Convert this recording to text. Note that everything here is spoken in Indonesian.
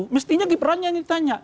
mestinya gibran yang ditanya